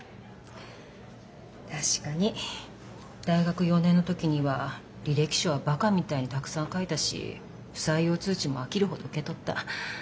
確かに大学４年の時には履歴書はバカみたいにたくさん書いたし不採用通知も飽きるほど受け取った。